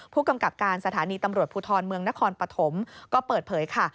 ผู้กำกับการสถานีตำรวจภูทรเมืองนครปฐมก็เปิดเผยค่ะ